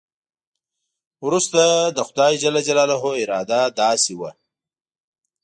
وروسته د خدای جل جلاله اراده داسې وه.